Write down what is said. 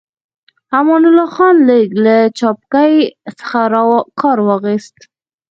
امان الله خان لږ له چابکۍ څخه کار واخيست.